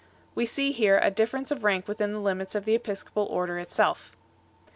We see here a difference of rank within the limits of the episcopal order itself.